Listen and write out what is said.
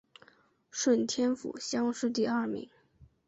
顺天府乡试第二名。